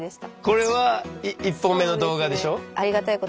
これは１本目の動画でしょ？